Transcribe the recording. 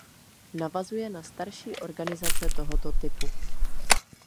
Navazuje na starší organizace tohoto typu.